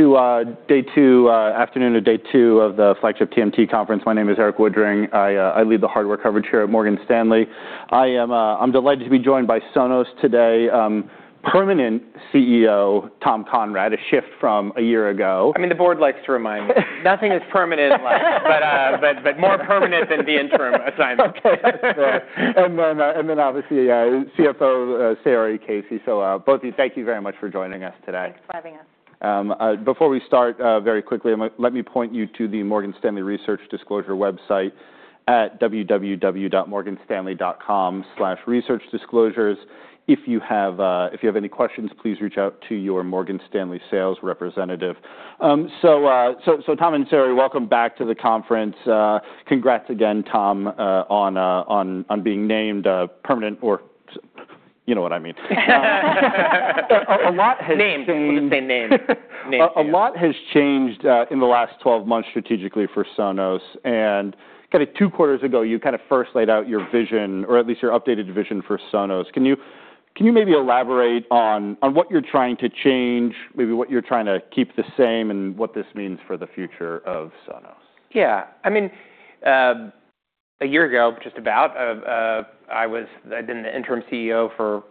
To day two, afternoon of day two of the Flagship TMT Conference. My name is Erik Woodring. I lead the hardware coverage here at Morgan Stanley. I am delighted to be joined by Sonos today, permanent CEO, Tom Conrad, a shift from a year ago. I mean, the board likes to remind me. Nothing is permanent in life, more permanent than the interim assignment. Okay. That's fair. Obviously, CFO, Saori Casey. Both of you, thank you very much for joining us today. Thanks for having us. Before we start, very quickly, let me point you to the Morgan Stanley research disclosure website at www.morganstanley.com/researchdisclosures. If you have any questions, please reach out to your Morgan Stanley sales representative. Tom and Saori, welcome back to the conference. Congrats again, Tom, on being named permanent or... You know what I mean. A lot has changed- Name. We'll just say name. Name change. A lot has changed in the last 12 months strategically for Sonos. Kinda 2 quarters ago, you kinda first laid out your vision, or at least your updated vision for Sonos. Can you maybe elaborate on what you're trying to change, maybe what you're trying to keep the same, and what this means for the future of Sonos? Yeah. I mean, a year ago, just about, I'd been the interim CEO for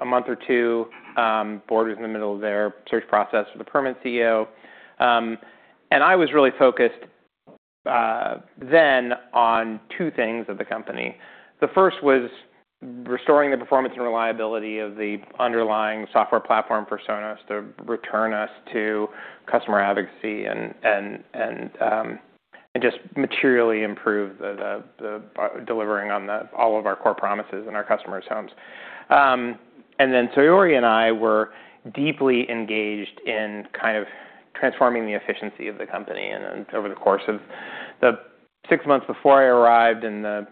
a month or 2, board was in the middle of their search process for the permanent CEO. I was really focused then on 2 things of the company. The first was restoring the performance and reliability of the underlying software platform for Sonos to return us to customer advocacy and just materially improve the delivering on the all of our core promises in our customers' homes. Saori and I were deeply engaged in kind of transforming the efficiency of the company. Over the course of the six months before I arrived and the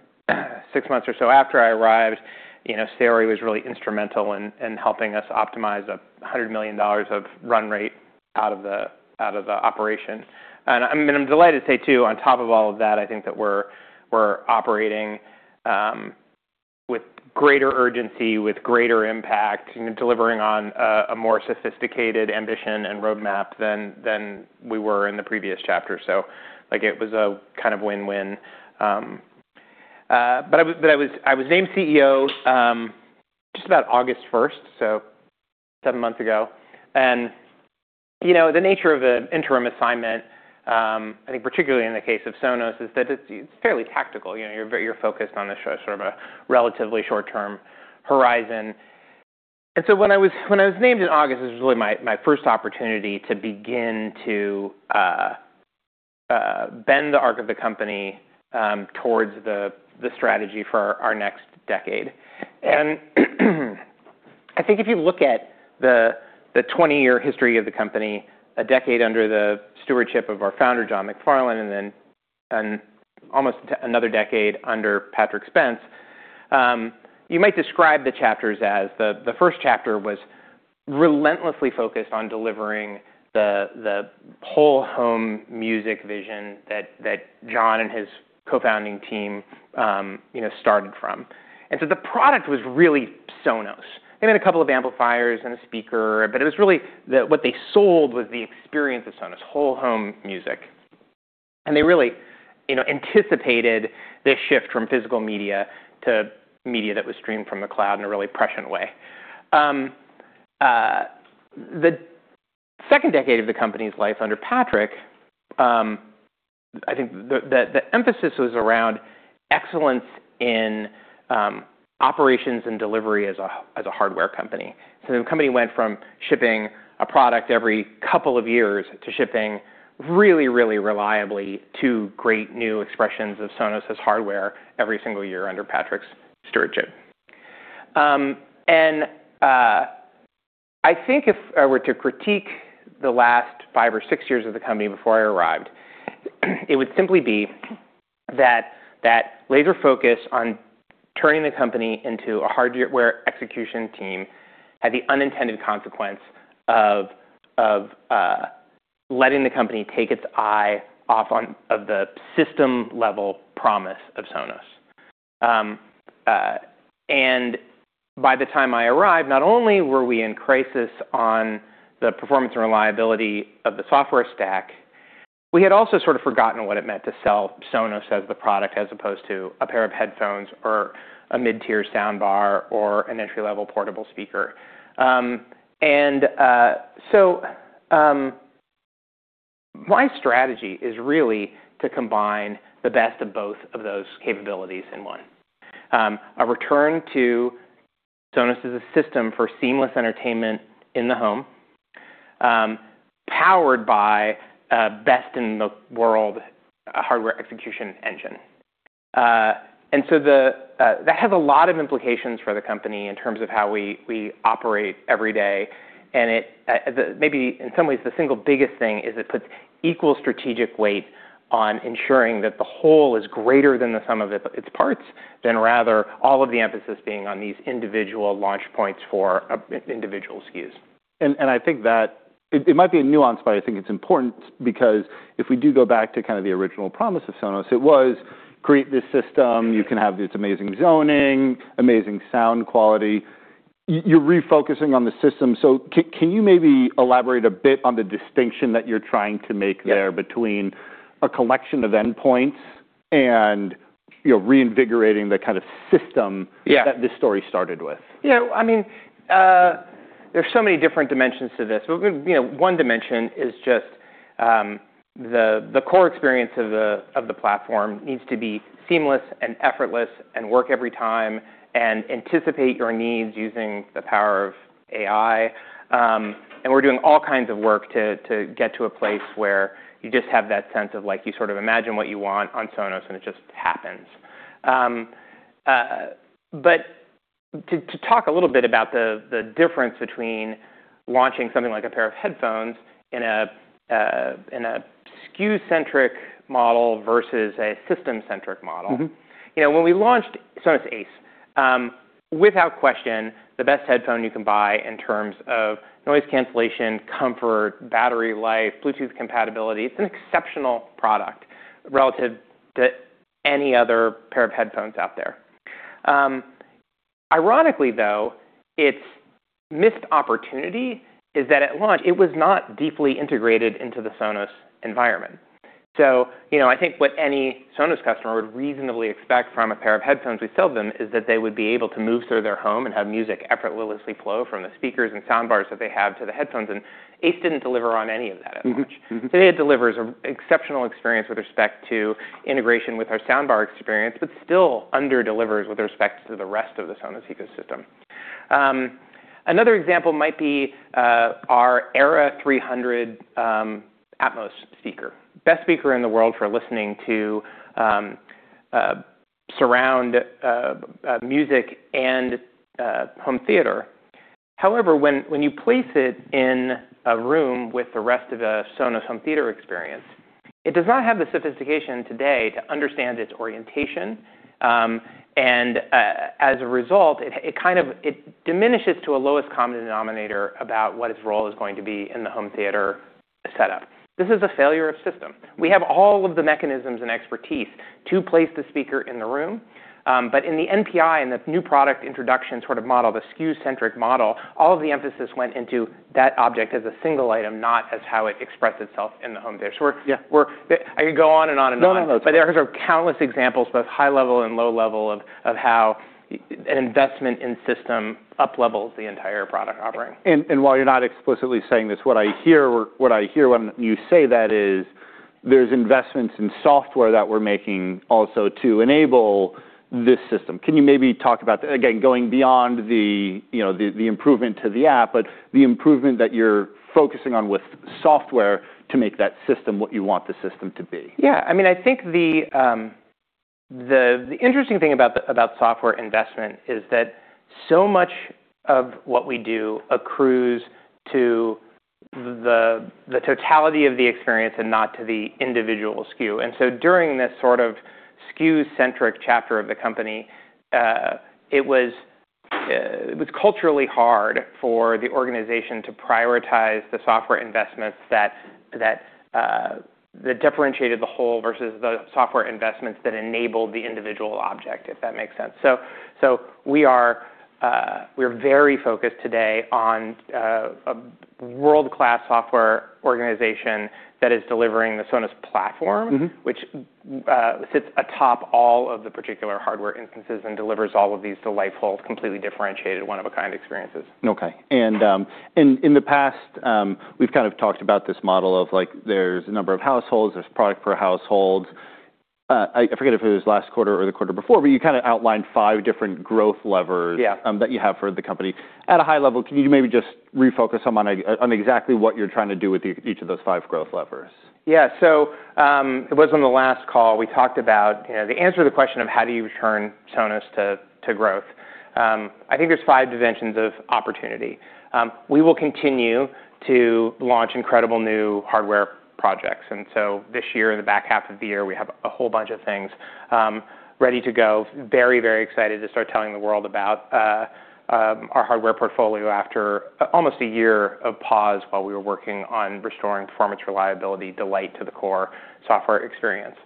six months or so after I arrived, you know, Saori was really instrumental in helping us optimize $100 million of run rate out of the operation. I mean, I'm delighted to say, too, on top of all of that, I think that we're operating with greater urgency, with greater impact, you know, delivering on a more sophisticated ambition and roadmap than we were in the previous chapter. Like, it was a kind of win-win. I was named CEO just about August 1st, so seven months ago. You know, the nature of an interim assignment, I think particularly in the case of Sonos, is that it's fairly tactical. You know, you're very, you're focused on the sort of a relatively short-term horizon. When I was, when I was named in August, this was really my first opportunity to begin to bend the arc of the company towards the strategy for our next decade. I think if you look at the 20-year history of the company, a decade under the stewardship of our founder, John MacFarlane, and then almost another decade under Patrick Spence, you might describe the chapters as the first chapter was relentlessly focused on delivering the whole home music vision that John and his co-founding team, you know, started from. The product was really Sonos. They had a couple of amplifiers and a speaker, but it was really what they sold was the experience of Sonos whole home music. They really, you know, anticipated this shift from physical media to media that was streamed from the cloud in a really prescient way. The second decade of the company's life under Patrick, I think the emphasis was around excellence in operations and delivery as a hardware company. The company went from shipping a product every couple of years to shipping really, really reliably two great new expressions of Sonos' hardware every single year under Patrick's stewardship. I think if I were to critique the last five or six years of the company before I arrived, it would simply be that that laser focus on turning the company into a hardware execution team had the unintended consequence of letting the company take its eye off of the system-level promise of Sonos. By the time I arrived, not only were we in crisis on the performance and reliability of the software stack, we had also sort of forgotten what it meant to sell Sonos as the product as opposed to a pair of headphones or a mid-tier soundbar or an entry-level portable speaker. My strategy is really to combine the best of both of those capabilities in one. A return to Sonos as a system for seamless entertainment in the home, powered by a best-in-the-world hardware execution engine. The, that has a lot of implications for the company in terms of how we operate every day. It, maybe in some ways, the single biggest thing is it puts equal strategic weight on ensuring that the whole is greater than the sum of it, its parts than rather all of the emphasis being on these individual launch points for a, in-individual SKUs. I think that it might be a nuance, but I think it's important because if we do go back to kind of the original promise of Sonos, it was create this system. You can have this amazing zoning, amazing sound quality. You're refocusing on the system. Can you maybe elaborate a bit on the distinction that you're trying to make there? Yes.... between a collection of endpoints and, you know, reinvigorating the kind of system. Yeah. that this story started with? You know, I mean, there's so many different dimensions to this. You know, one dimension is just the core experience of the platform needs to be seamless and effortless and work every time and anticipate your needs using the power of AI. We're doing all kinds of work to get to a place where you just have that sense of like, you sort of imagine what you want on Sonos, and it just happens. To talk a little bit about the difference between launching something like a pair of headphones in a SKU-centric model versus a system-centric model. Mm-hmm. You know, when we launched Sonos Ace, without question, the best headphone you can buy in terms of noise cancellation, comfort, battery life, Bluetooth compatibility. It's an exceptional product relative to any other pair of headphones out there. Ironically though, its missed opportunity is that at launch it was not deeply integrated into the Sonos environment. You know, I think what any Sonos customer would reasonably expect from a pair of headphones we sell them is that they would be able to move through their home and have music effortlessly flow from the speakers and soundbars that they have to the headphones, and Ace didn't deliver on any of that at launch. Mm-hmm. Mm-hmm. Today, it delivers an exceptional experience with respect to integration with our soundbar experience, but still under-delivers with respect to the rest of the Sonos ecosystem. Another example might be our Era 300 Atmos speaker. Best speaker in the world for listening to surround music and home theater. However, when you place it in a room with the rest of the Sonos home theater experience, it does not have the sophistication today to understand its orientation, and as a result, it diminishes to a lowest common denominator about what its role is going to be in the home theater setup. This is a failure of system. We have all of the mechanisms and expertise to place the speaker in the room, in the NPI, in the new product introduction sort of model, the SKU-centric model, all of the emphasis went into that object as a single item, not as how it expressed itself in the home theater. Yeah I could go on and on and on. No, no. There are sort of countless examples, both high level and low level, of how investment in system uplevels the entire product offering. While you're not explicitly saying this, what I hear when you say that is there's investments in software that we're making also to enable this system. Can you maybe talk about, again, going beyond the, you know, the improvement to the app, but the improvement that you're focusing on with software to make that system what you want the system to be? Yeah. I mean, I think the interesting thing about software investment is that so much of what we do accrues to the totality of the experience and not to the individual SKU. During this sort of SKU-centric chapter of the company, it was culturally hard for the organization to prioritize the software investments that differentiated the whole versus the software investments that enabled the individual object, if that makes sense. We are very focused today on a world-class software organization that is delivering the Sonos platform- Mm-hmm... which sits atop all of the particular hardware instances and delivers all of these delightful, completely differentiated, one-of-a-kind experiences. Okay. In the past, we've kind of talked about this model of, like, there's a number of households, there's product per household. I forget if it was last quarter or the quarter before, but you kind of outlined 5 different growth levers... Yeah... that you have for the company. At a high level, can you maybe just refocus on exactly what you're trying to do with each of those 5 growth levers? Yeah. It was on the last call, we talked about, you know, the answer to the question of how do you return Sonos to growth. I think there's five dimensions of opportunity. We will continue to launch incredible new hardware projects. This year, in the back half of the year, we have a whole bunch of things ready to go. Very, very excited to start telling the world about our hardware portfolio after almost a year of pause while we were working on restoring performance, reliability, delight to the core software experience.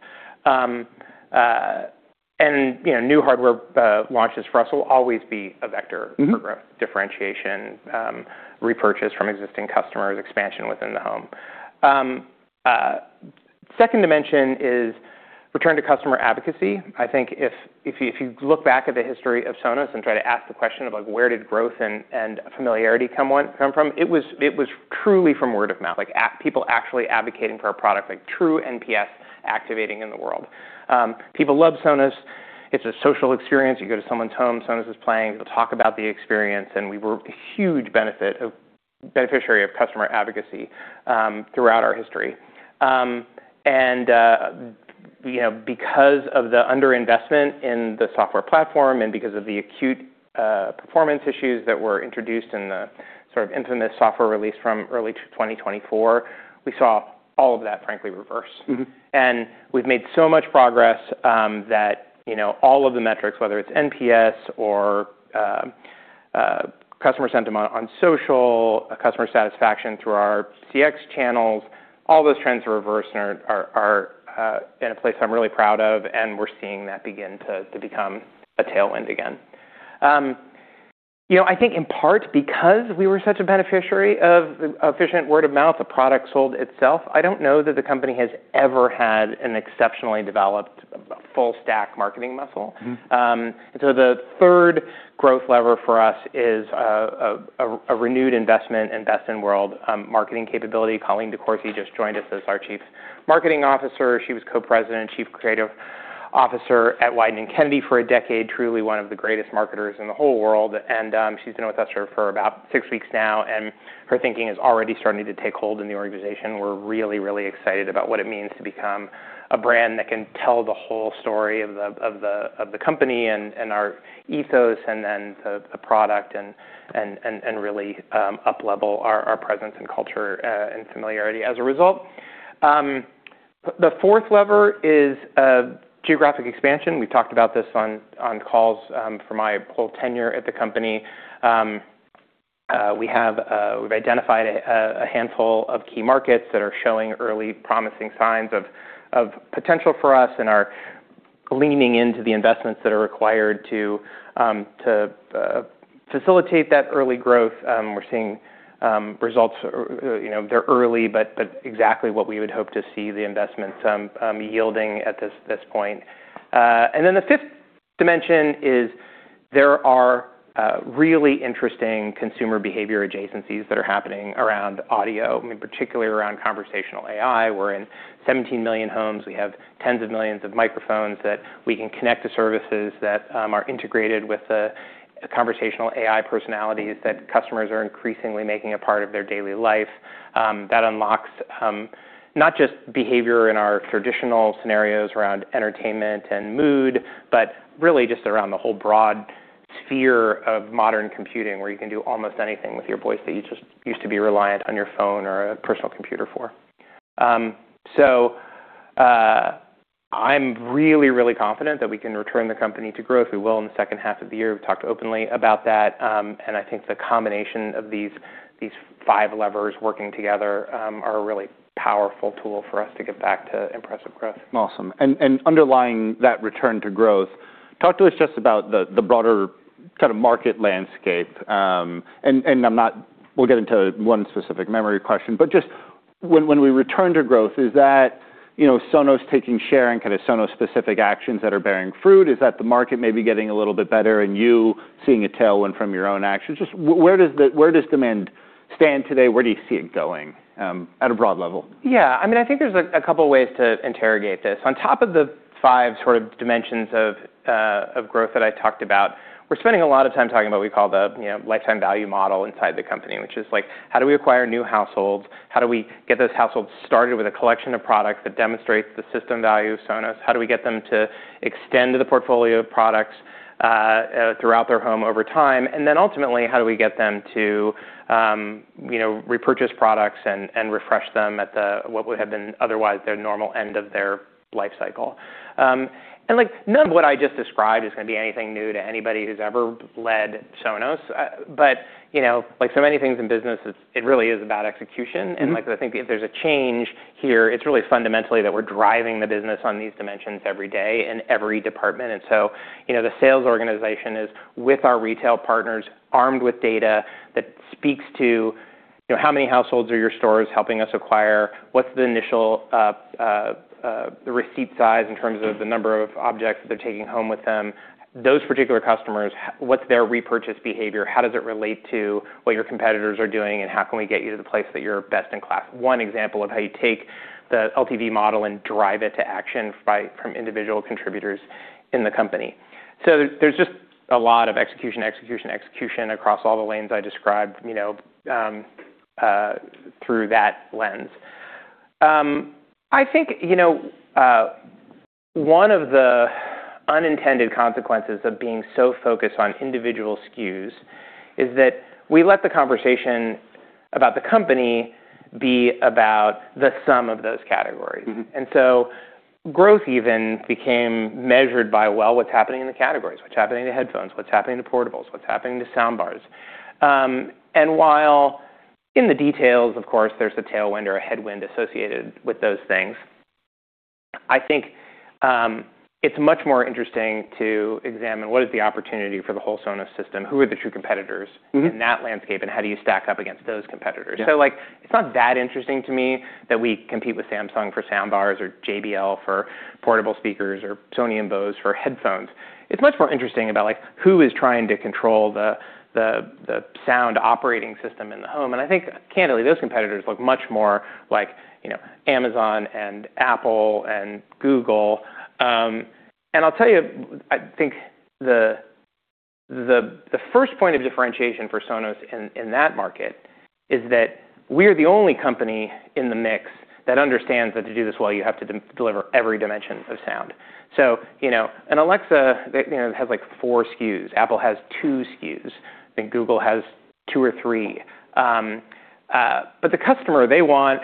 You know, new hardware launches for us will always be a vector. Mm-hmm for growth, differentiation, repurchase from existing customers, expansion within the home. Second dimension is return to customer advocacy. I think if you look back at the history of Sonos and try to ask the question of, like, where did growth and familiarity come from, it was truly from word of mouth, like people actually advocating for our product, like true NPS activating in the world. People love Sonos. It's a social experience. You go to someone's home, Sonos is playing. They'll talk about the experience. We were a huge beneficiary of customer advocacy throughout our history. You know, because of the underinvestment in the software platform and because of the acute performance issues that were introduced in the sort of infamous software release from early 2024, we saw all of that frankly reverse. Mm-hmm. We've made so much progress, that, you know, all of the metrics, whether it's NPS or, customer sentiment on social, customer satisfaction through our CX channels, all those trends are reversed and are in a place I'm really proud of, and we're seeing that begin to become a tailwind again. You know, I think in part because we were such a beneficiary of efficient word of mouth, the product sold itself. I don't know that the company has ever had an exceptionally developed full stack marketing muscle. Mm-hmm. The third growth lever for us is a renewed investment in best-in-world marketing capability. Colleen DeCourcy just joined us as our Chief Marketing Officer. She was co-president, chief creative officer at Wieden+Kennedy for a decade, truly one of the greatest marketers in the whole world. She's been with us for about six weeks now, and her thinking is already starting to take hold in the organization. We're really excited about what it means to become a brand that can tell the whole story of the company and our ethos and the product and really up-level our presence and culture and familiarity as a result. The fourth lever is geographic expansion. We've talked about this on calls for my whole tenure at the company. We've identified a handful of key markets that are showing early promising signs of potential for us and are leaning into the investments that are required to facilitate that early growth. We're seeing results, you know, they're early, but exactly what we would hope to see the investments yielding at this point. The fifth dimension is there are really interesting consumer behavior adjacencies that are happening around audio, I mean, particularly around conversational AI. We're in 17 million homes. We have tens of millions of microphones that we can connect to services that are integrated with the conversational AI personalities that customers are increasingly making a part of their daily life. That unlocks not just behavior in our traditional scenarios around entertainment and mood, but really just around the whole broad sphere of modern computing, where you can do almost anything with your voice that you just used to be reliant on your phone or a personal computer for. I'm really, really confident that we can return the company to growth. We will in the second half of the year. We've talked openly about that, I think the combination of these five levers working together, are a really powerful tool for us to get back to impressive growth. Awesome. Underlying that return to growth, talk to us just about the broader kind of market landscape. We'll get into one specific memory question, but just when we return to growth, is that, you know, Sonos taking share and kind of Sonos specific actions that are bearing fruit? Is that the market maybe getting a little bit better and you seeing a tailwind from your own actions? Just where does demand stand today? Where do you see it going at a broad level? Yeah, I mean, I think there's a couple ways to interrogate this. On top of the five sort of dimensions of growth that I talked about, we're spending a lot of time talking about what we call the, you know, lifetime value model inside the company, which is like, how do we acquire new households? How do we get those households started with a collection of products that demonstrates the system value of Sonos? How do we get them to extend to the portfolio of products throughout their home over time? Ultimately, how do we get them to, you know, repurchase products and refresh them what would have been otherwise their normal end of their life cycle? Like none of what I just described is gonna be anything new to anybody who's ever led Sonos. You know, like so many things in business, it really is about execution. Mm-hmm. Like, I think if there's a change here, it's really fundamentally that we're driving the business on these dimensions every day in every department. You know, the sales organization is with our retail partners, armed with data that speaks to, you know, how many households are your stores helping us acquire? What's the initial receipt size in terms of the number of objects they're taking home with them? Those particular customers, what's their repurchase behavior? How does it relate to what your competitors are doing, and how can we get you to the place that you're best in class? One example of how you take the LTV model and drive it to action from individual contributors in the company. There's just a lot of execution, execution across all the lanes I described, you know, through that lens. I think, you know, one of the unintended consequences of being so focused on individual SKUs is that we let the conversation about the company be about the sum of those categories. Mm-hmm. Growth even became measured by, well, what's happening in the categories? What's happening to headphones? What's happening to portables? What's happening to soundbars? And while in the details, of course, there's a tailwind or a headwind associated with those things, I think, it's much more interesting to examine what is the opportunity for the whole Sonos system, who are the true competitors-. Mm-hmm. -in that landscape, and how do you stack up against those competitors? Yeah. Like it's not that interesting to me that we compete with Samsung for soundbars or JBL for portable speakers or Sony and Bose for headphones. It's much more interesting about like, who is trying to control the sound operating system in the home. I think candidly, those competitors look much more like, you know, Amazon and Apple and Google. I'll tell you, I think the first point of differentiation for Sonos in that market is that we're the only company in the mix that understands that to do this well, you have to de-deliver every dimension of sound. You know, Alexa, you know, has like 4 SKUs. Apple has 2 SKUs. I think Google has 2 or 3. The customer, they want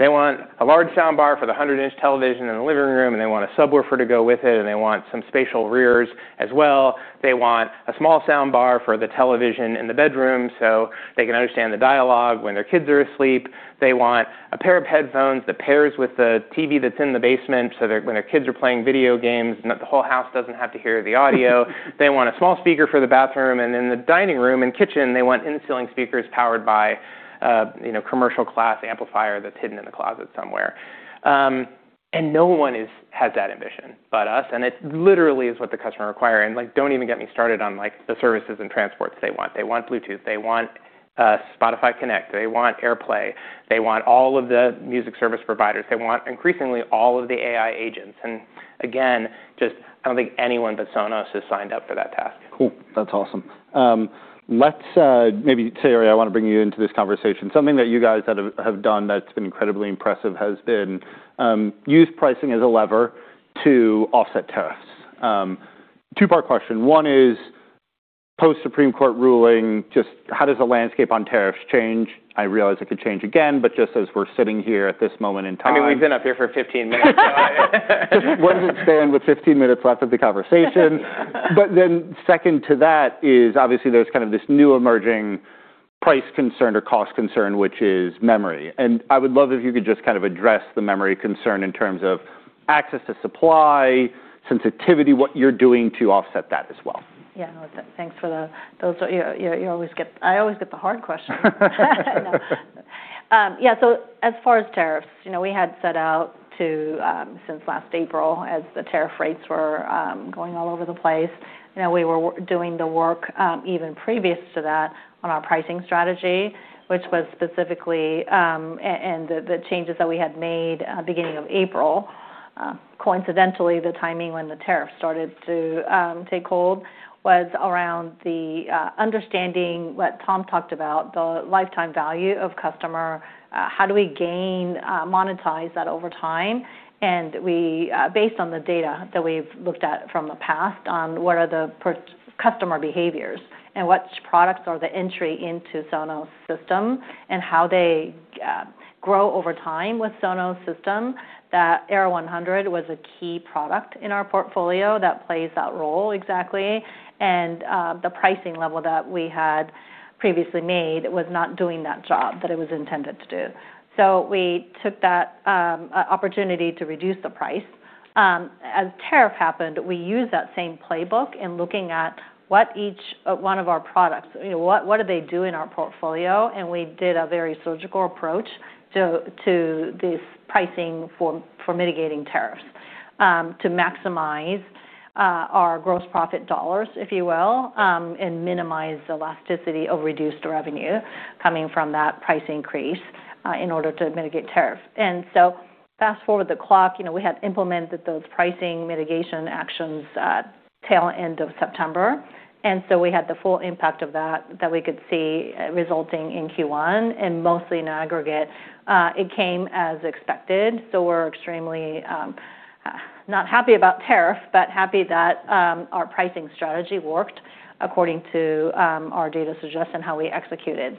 a large soundbar for the 100-inch television in the living room, and they want a subwoofer to go with it, and they want some spatial rears as well. They want a small soundbar for the television in the bedroom so they can understand the dialogue when their kids are asleep. They want a pair of headphones that pairs with the TV that's in the basement so that when their kids are playing video games, not the whole house doesn't have to hear the audio. They want a small speaker for the bathroom, and in the dining room and kitchen, they want in-ceiling speakers powered by a, you know, commercial class amplifier that's hidden in the closet somewhere. No one has that ambition but us, and it literally is what the customer require. Like, don't even get me started on, like, the services and transports they want. They want Bluetooth. They want Spotify Connect. They want AirPlay. They want all of the music service providers. They want increasingly all of the AI agents. Again, just I don't think anyone but Sonos has signed up for that task. Cool. That's awesome. Let's maybe Saori, I wanna bring you into this conversation. Something that you guys have done that's been incredibly impressive has been use pricing as a lever to offset tariffs. Two-part question. One is, post-Supreme Court ruling, just how does the landscape on tariffs change? I realize it could change again, but just as we're sitting here at this moment in time. I mean, we've been up here for 15 minutes now. Just wanted to stay on with 15 minutes left of the conversation. Second to that is, obviously, there's kind of this new emerging price concern or cost concern, which is memory. I would love if you could just kind of address the memory concern in terms of access to supply, sensitivity, what you're doing to offset that as well. Yeah. You know, I always get the hard questions. No. Yeah. As far as tariffs, you know, we had set out to since last April as the tariff rates were going all over the place. You know, we were doing the work even previous to that on our pricing strategy, which was specifically and the changes that we had made beginning of April. Coincidentally, the timing when the tariffs started to take hold was around the understanding what Tom talked about, the lifetime value of customer, how do we gain monetize that over time. We, based on the data that we've looked at from the past on what are the customer behaviors and which products are the entry into Sonos system and how they grow over time with Sonos system, that Era 100 was a key product in our portfolio that plays that role exactly. The pricing level that we had previously made was not doing that job that it was intended to do. We took that opportunity to reduce the price. As tariff happened, we used that same playbook in looking at what each one of our products, you know, what do they do in our portfolio, and we did a very surgical approach to this pricing for mitigating tariffs to maximize our gross profit dollars, if you will, and minimize elasticity of reduced revenue coming from that price increase in order to mitigate tariff. Fast-forward the clock, you know, we had implemented those pricing mitigation actions at tail end of September. We had the full impact of that we could see resulting in Q1, and mostly in aggregate. It came as expected, so we're extremely not happy about tariff, but happy that our pricing strategy worked according to our data suggests and how we executed.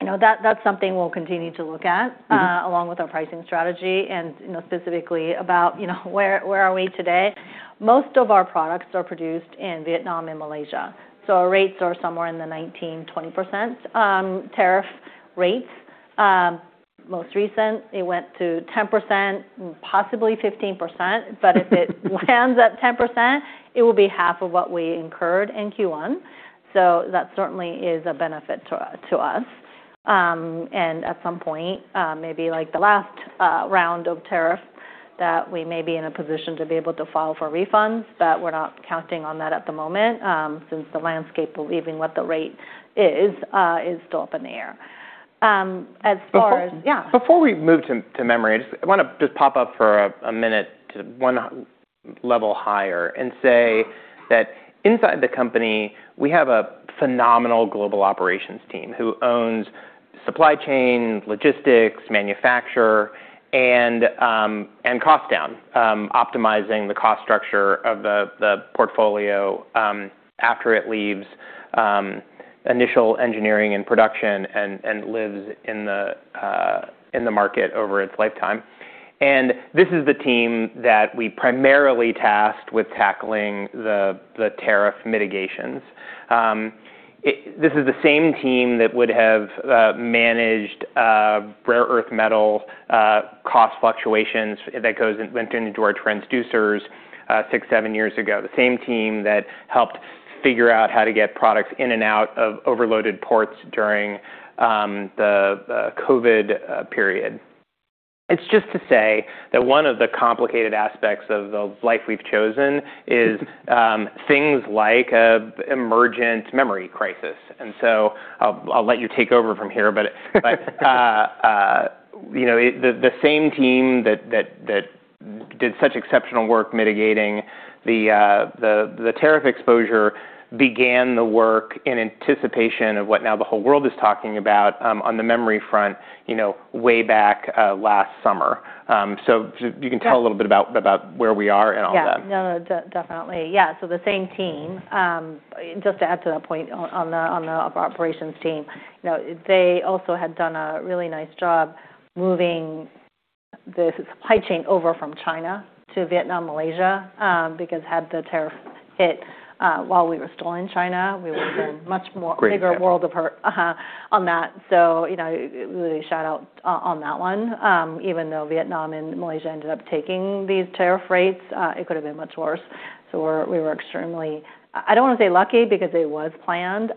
You know, that's something we'll continue to look at. Mm-hmm... along with our pricing strategy and, you know, specifically about, you know, where are we today. Most of our products are produced in Vietnam and Malaysia. Our rates are somewhere in the 19%-20% tariff rates. Most recent, it went to 10%, possibly 15%. If it lands at 10%, it will be half of what we incurred in Q1, so that certainly is a benefit to us. At some point, maybe like the last round of tariff, that we may be in a position to be able to file for refunds, but we're not counting on that at the moment, since the landscape believing what the rate is still up in the air. Before- Yeah. Before we move to memory, I wanna just pop up for a minute to one level higher and say that inside the company, we have a phenomenal global operations team who owns supply chain, logistics, manufacture, and cost down, optimizing the cost structure of the portfolio after it leaves initial engineering and production and lives in the market over its lifetime. This is the team that we primarily tasked with tackling the tariff mitigations. This is the same team that would have managed rare earth metal cost fluctuations that went into our transducers six, seven years ago. The same team that helped figure out how to get products in and out of overloaded ports during the COVID period. It's just to say that one of the complicated aspects of the life we've chosen is things like an emergent memory crisis. I'll let you take over from here, but, you know, the same team that did such exceptional work mitigating the tariff exposure began the work in anticipation of what now the whole world is talking about on the memory front, you know, way back last summer. If you can tell a little bit about... Yeah about where we are in all that. Yeah. No, definitely. The same team, just to add to that point on the operations team. You know, they also had done a really nice job moving the supply chain over from China to Vietnam, Malaysia, because had the tariff hit while we were still in China, we would have been much more. Great example.... bigger world of her. On that. You know, really shout out on that one. Even though Vietnam and Malaysia ended up taking these tariff rates, it could have been much worse. We were extremely, I don't want to say lucky because it was planned,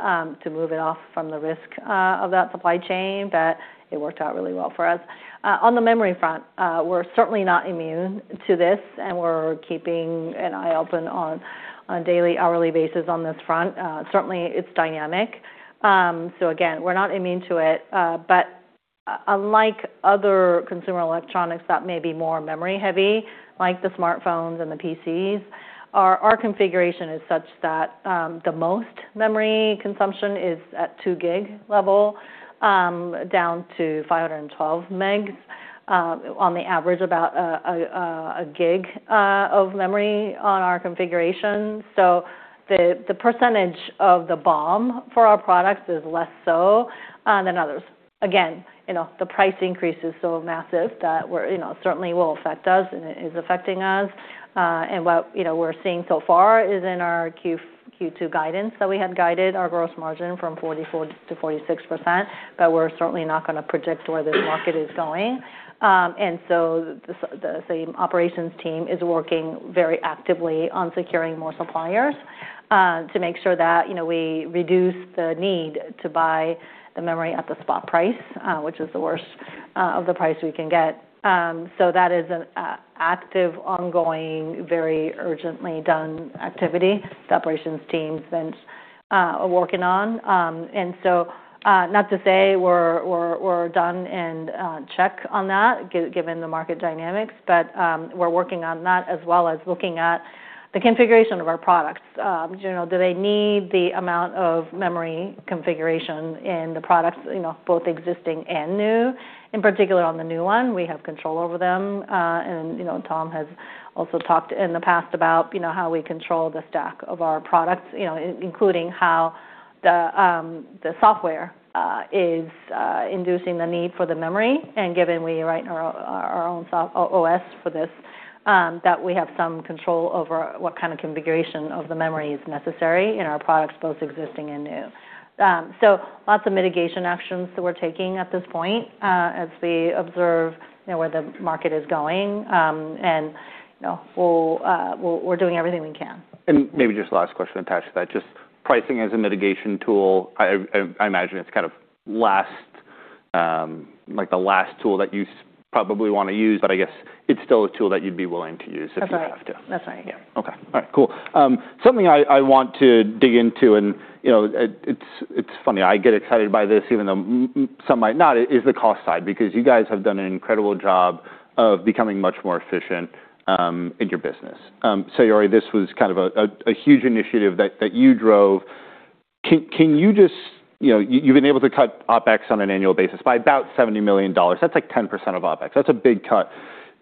to move it off from the risk of that supply chain, but it worked out really well for us. On the memory front, we're certainly not immune to this, and we're keeping an eye open on a daily, hourly basis on this front. Certainly it's dynamic. Again, we're not immune to it. Unlike other consumer electronics that may be more memory-heavy, like the smartphones and the PCs, our configuration is such that the most memory consumption is at 2 GB level, down to 512 MB. On the average, about 1 GB of memory on our configurations. The percentage of the BOM for our products is less so than others. Again, you know, the price increase is so massive that we're certainly will affect us and it is affecting us. What, you know, we're seeing so far is in our Q2 guidance that we had guided our gross margin from 44%-46%, we're certainly not gonna predict where this market is going. The operations team is working very actively on securing more suppliers to make sure that, you know, we reduce the need to buy the memory at the spot price, which is the worst of the price we can get. That is an active, ongoing, very urgently done activity the operations team's been working on. Not to say we're done and check on that given the market dynamics, but we're working on that as well as looking at the configuration of our products. You know, do they need the amount of memory configuration in the products, you know, both existing and new? In particular, on the new one, we have control over them. You know, Tom has also talked in the past about, you know, how we control the stack of our products, you know, including how the software is inducing the need for the memory. Given we write our own OS for this, that we have some control over what kind of configuration of the memory is necessary in our products, both existing and new. Lots of mitigation actions that we're taking at this point, as we observe, you know, where the market is going. You know, we're doing everything we can. Maybe just last question attached to that, just pricing as a mitigation tool. I imagine it's kind of last, like, the last tool that you probably wanna use, but I guess it's still a tool that you'd be willing to use if you have to. That's right. That's right. Yeah. Okay. All right. Cool. Something I want to dig into, and, you know, it's funny, I get excited by this even though some might not, is the cost side because you guys have done an incredible job of becoming much more efficient in your business. Saori, this was kind of a huge initiative that you drove. Can you just... You know, you've been able to cut OpEx on an annual basis by about $70 million. That's like 10% of OpEx. That's a big cut.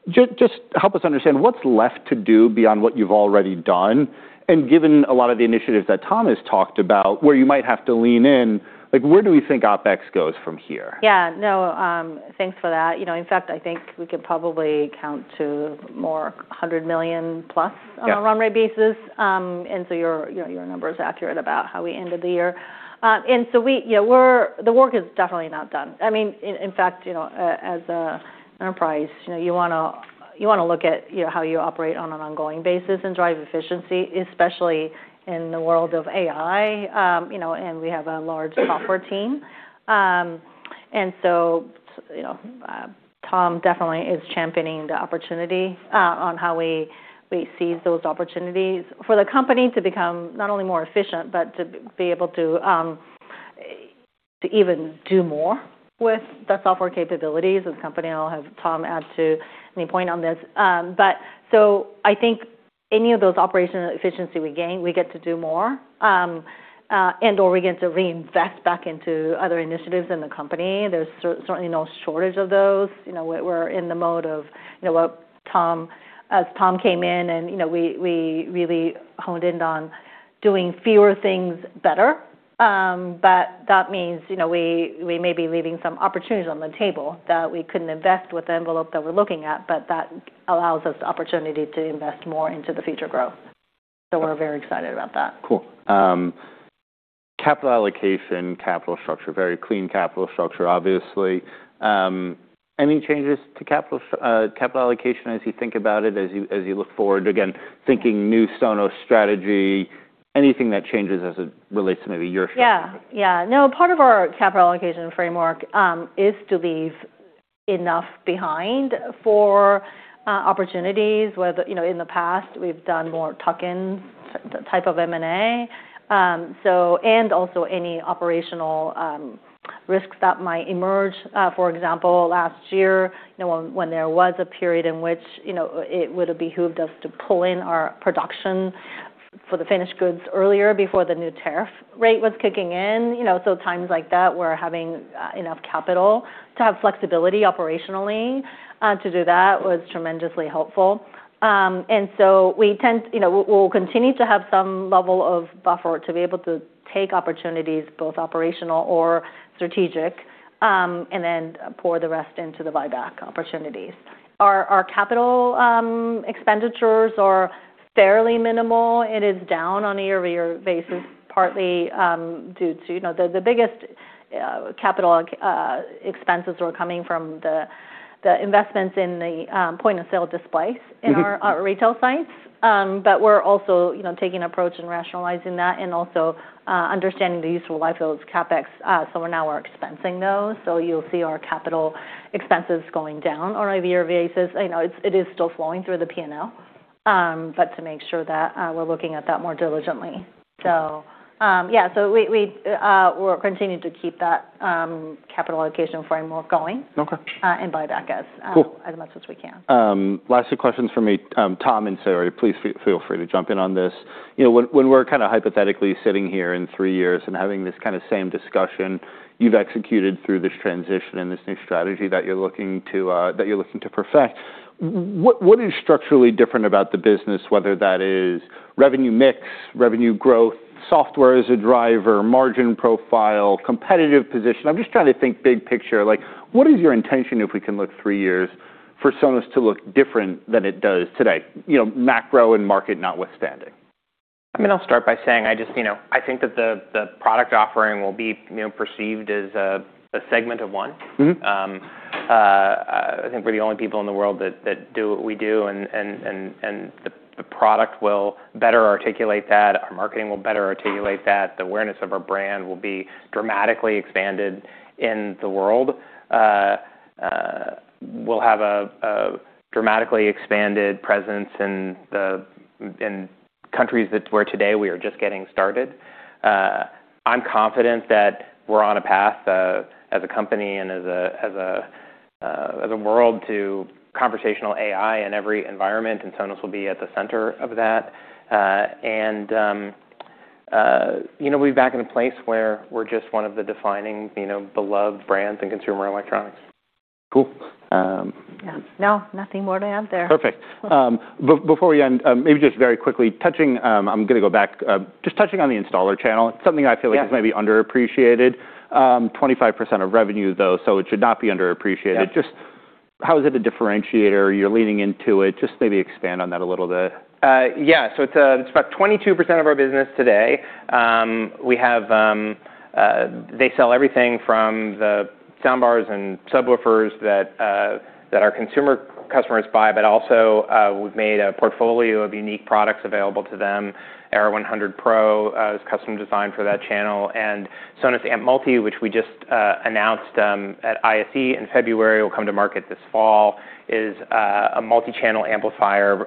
Just help us understand what's left to do beyond what you've already done, and given a lot of the initiatives that Tom Conrad has talked about where you might have to lean in, like, where do we think OpEx goes from here? Yeah. No, thanks for that. You know, in fact, I think we could probably count to more $100 million. Yeah.... on a run rate basis. Your, you know, your number is accurate about how we ended the year. Yeah, we're the work is definitely not done. I mean, in fact, you know, as a enterprise, you know, you wanna look at, you know, how you operate on an ongoing basis and drive efficiency, especially in the world of AI. You know, we have a large software team. So, you know, Tom definitely is championing the opportunity, on how we seize those opportunities for the company to become not only more efficient, but to be able to even do more with the software capabilities of the company. I'll have Tom add to any point on this. I think any of those operational efficiency we gain, we get to do more, and/or we get to reinvest back into other initiatives in the company. There's certainly no shortage of those. You know, we're in the mode of, you know, as Tom came in and, you know, we really honed in on doing fewer things better. That means, you know, we may be leaving some opportunities on the table that we couldn't invest with the envelope that we're looking at, that allows us the opportunity to invest more into the future growth. We're very excited about that. Cool. Capital allocation, capital structure, very clean capital structure, obviously. Any changes to capital allocation as you think about it, as you, as you look forward, again, thinking new Sonos strategy, anything that changes as it relates to maybe your structure? Yeah. Yeah. No, part of our capital allocation framework, is to leave enough behind for opportunities, whether, you know, in the past we've done more tuck-in t-type of M&A. Also any operational risks that might emerge. For example, last year, you know, when there was a period in which, you know, it would have behooved us to pull in our production for the finished goods earlier before the new tariff rate was kicking in. You know, times like that where having enough capital to have flexibility operationally to do that was tremendously helpful. You know, we'll continue to have some level of buffer to be able to take opportunities both operational or strategic. Pour the rest into the buyback opportunities. Our capital expenditures are fairly minimal. It is down on a year-over-year basis, partly, due to, you know. The biggest capital expenses were coming from the investments in the point-of-sale displays. Mm-hmm... in our retail sites. We're also, you know, taking approach in rationalizing that and also understanding the useful life of those CapEx, so now we're expensing those. You'll see our capital expenses going down on a year-over-year basis. You know, it's, it is still flowing through the P&L, but to make sure that we're looking at that more diligently. Yeah, so we'll continue to keep that capital allocation framework going- Okay... and buy back as Cool... as much as we can. Last two questions from me. Tom and Saori, please feel free to jump in on this. You know, when we're kinda hypothetically sitting here in 3 years and having this kinda same discussion, you've executed through this transition and this new strategy that you're looking to, that you're looking to perfect. What is structurally different about the business, whether that is revenue mix, revenue growth, software as a driver, margin profile, competitive position? I'm just trying to think big picture. Like, what is your intention, if we can look 3 years, for Sonos to look different than it does today? You know, macro and market notwithstanding. I mean, I'll start by saying I just, you know, I think that the product offering will be, you know, perceived as a segment of one. Mm-hmm. I think we're the only people in the world that do what we do and the product will better articulate that, our marketing will better articulate that, the awareness of our brand will be dramatically expanded in the world. We'll have a dramatically expanded presence in countries that where today we are just getting started. I'm confident that we're on a path as a company and as a world to conversational AI in every environment, and Sonos will be at the center of that. You know, we'll be back in a place where we're just one of the defining, you know, beloved brands in consumer electronics. Cool. Yeah. No, nothing more to add there. Perfect. Before we end, maybe just very quickly, touching, I'm gonna go back. Just touching on the installer channel. It's something I feel like- Yeah... is maybe underappreciated. 25% of revenue though, it should not be underappreciated. Yeah. Just how is it a differentiator? You're leaning into it. Just maybe expand on that a little bit. Yeah. It's about 22% of our business today. They sell everything from the soundbars and subwoofers that our consumer customers buy, but also, we've made a portfolio of unique products available to them. Era 100 Pro is custom designed for that channel. Sonos Amp Multi, which we just announced at ISE in February, will come to market this fall, is a multi-channel amplifier,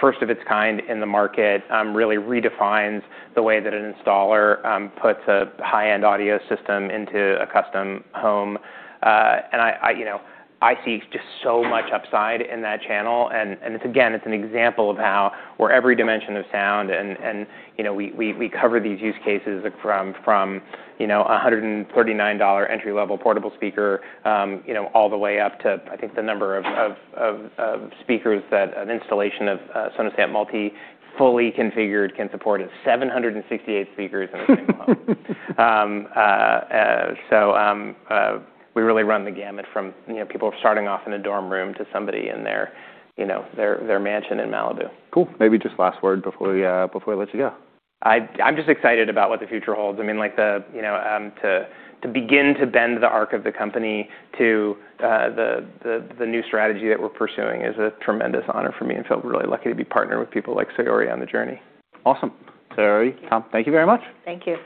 first of its kind in the market. Really redefines the way that an installer puts a high-end audio system into a custom home. I, you know, I see just so much upside in that channel. It's, again, it's an example of how we're every dimension of sound and, you know, we cover these use cases from, you know, $139 entry-level portable speaker, you know, all the way up to, I think the number of speakers that an installation of Sonos Amp Multi fully configured can support is 768 speakers in a single home. We really run the gamut from, you know, people starting off in a dorm room to somebody in their, you know, their mansion in Malibu. Cool. Maybe just last word before we let you go. I'm just excited about what the future holds. I mean, like the, you know, to begin to bend the arc of the company to the new strategy that we're pursuing is a tremendous honor for me, and feel really lucky to be partnering with people like Saori on the journey. Awesome. Saori, Tom, thank you very much. Thank you.